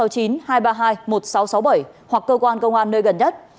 cơ quan công an nơi gần nhất